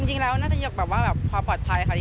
จริงแล้วน่าจะหยกแบบว่าแบบความปลอดภัยค่ะ